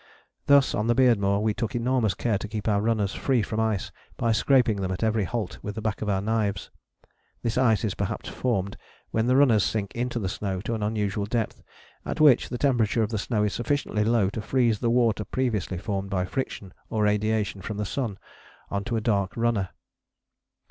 Thus on the Beardmore we took enormous care to keep our runners free from ice, by scraping them at every halt with the back of our knives. This ice is perhaps formed when the runners sink into the snow to an unusual depth, at which the temperature of the snow is sufficiently low to freeze the water previously formed by friction or radiation from the sun on to a dark runner.